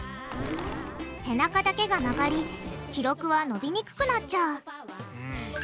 背中だけが曲がり記録はのびにくくなっちゃう。